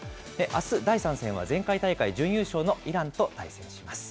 あす、第３戦は、前回大会準優勝のイランと対戦します。